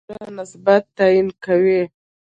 ټولنې سره نسبت تعیین کوي.